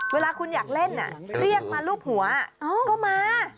เวลาคุณอยากเล่นเรียกมารูปหัวก็มา